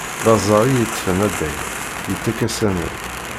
D aẓar i yeṭṭfen addag, yettak-as aman.